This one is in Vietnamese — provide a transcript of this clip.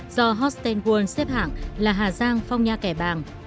do hostelworld xếp hạng là hà giang phong nha kẻ bàng